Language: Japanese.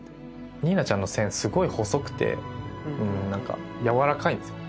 にいなちゃんの線すごい細くて柔らかいんですよ。